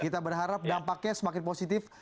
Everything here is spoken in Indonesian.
kita berharap dampaknya semakin positif